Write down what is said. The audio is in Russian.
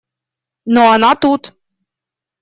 Но она тут.